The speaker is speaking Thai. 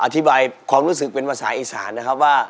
อธิบายความรู้สึกเป็นภาษาอีสานนะครับว่า